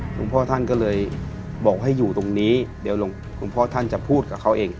หลวงพ่อท่านก็เลยบอกให้อยู่ตรงนี้เดี๋ยวคุณพ่อท่านจะพูดกับเขาเอง